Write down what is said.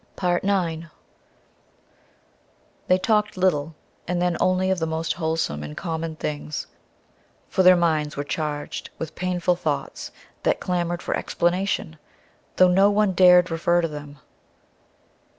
IX They talked little, and then only of the most wholesome and common things, for their minds were charged with painful thoughts that clamoured for explanation, though no one dared refer to them.